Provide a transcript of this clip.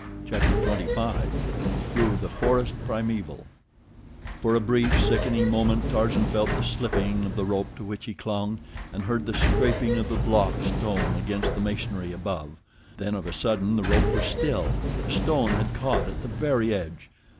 Chapter XXV Through the Forest Primeval For a brief, sickening moment Tarzan felt the slipping of the rope to which he clung, and heard the scraping of the block of stone against the masonry above. Then of a sudden the rope was still—the stone had caught at the very edge.